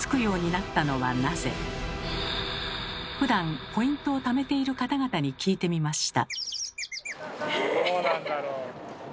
ふだんポイントをためている方々に聞いてみました。